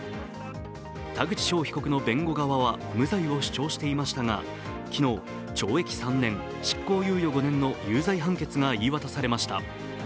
田口翔被告の弁護側は無罪を主張していましたが昨日、懲役３年、執行猶予５年の有罪判決が言い渡されました。